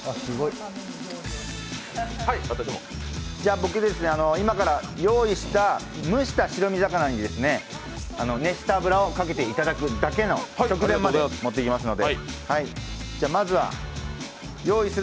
僕、今から用意した蒸した白身魚に熱した油をかけていただくだけの直前までもっていきますので。